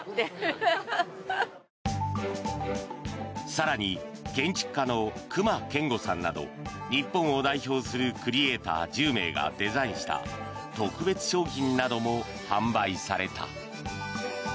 更に建築家の隈研吾さんなど日本を代表するクリエーター１０名がデザインした特別商品なども販売された。